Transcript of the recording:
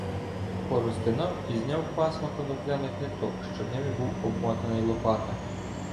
Порозтинав і зняв пасма конопляних ниток, що ними був обмотаний Лопата.